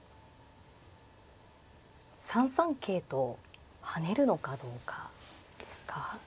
３三桂と跳ねるのかどうかですか。